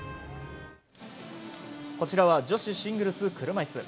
こちらは女子シングルス車いす。